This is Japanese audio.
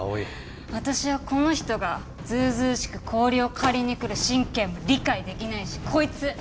私はこの人がずうずうしく氷を借りに来る神経も理解できないしこいつ！